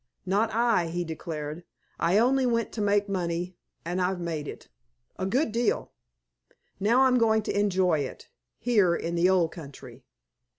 "Not I," he declared. "I only went to make money, and I've made it a good deal. Now I'm going to enjoy it, here, in the old country.